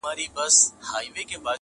نۀ ورسره توره وه او نۀ ورسره زغره وه